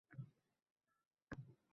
Bu dunyoga hammamiz ham mehmonmiz.